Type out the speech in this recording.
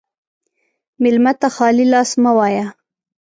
مېلمه ته خالي لاس مه وایه.